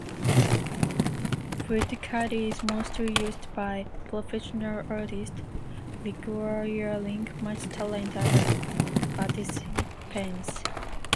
Woodcut is mostly used by professional artists, requiring much talent and patience.